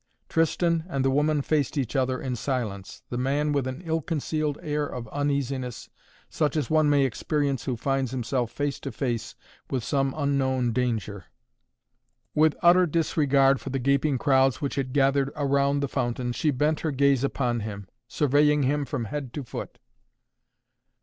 Tristan and the woman faced each other in silence, the man with an ill concealed air of uneasiness, such as one may experience who finds himself face to face with some unknown danger. With utter disregard for the gaping crowds which had gathered around the fountain she bent her gaze upon him, surveying him from head to foot.